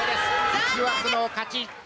１枠の勝ち！